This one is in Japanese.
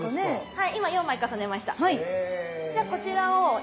はい。